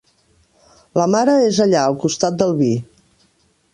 La mare és allà, al costat del vi.